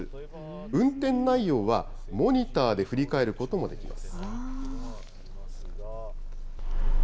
運転内容はモニターで振り返ることもできます。